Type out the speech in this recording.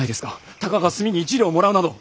たかが炭に１両もらうなど。